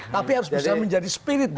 tapi harus bisa menjadi spirit